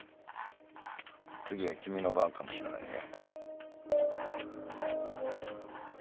次は君の番かもしれないね。